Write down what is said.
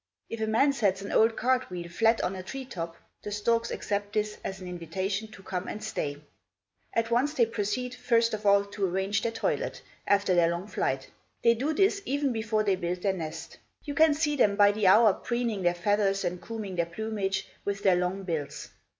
If a man sets an old cart wheel flat on a tree top, the storks accept this, as an invitation to come and stay. At once they proceed, first of all, to arrange their toilet, after their long flight. They do this, even before they build their nest. You can see them, by the hour, preening their feathers and combing their plumage, with their long bills.